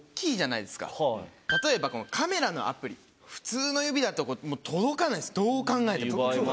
例えばこのカメラのアプリ普通の指だと届かないんですどう考えても。